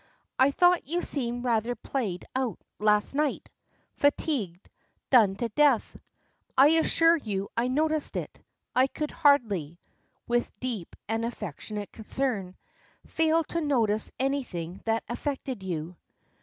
"I thought you seemed rather played out last night fatigued done to death. I assure you I noticed it. I could hardly," with deep and affectionate concern, "fail to notice anything that affected you."